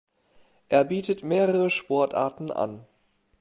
Er bietet mehrere Sportarten an.